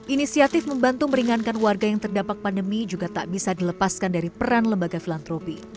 inisiatif membantu meringankan warga yang terdampak pandemi juga tak bisa dilepaskan dari peran lembaga filantropi